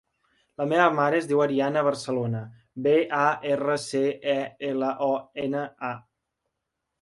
La meva mare es diu Ariana Barcelona: be, a, erra, ce, e, ela, o, ena, a.